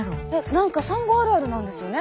何か産後あるあるなんですよね。